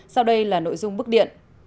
sau đây là nội dung bức điện